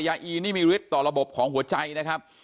อีนี่มีฤทธิ์ต่อระบบของหัวใจนะครับ